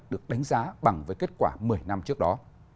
được đánh giá bằng với kết quả một mươi năm trước đó